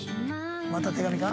また手紙か？